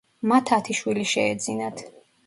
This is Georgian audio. მათ ათი შვილი შეეძინათ.